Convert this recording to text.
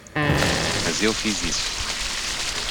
Mas eu fiz isso.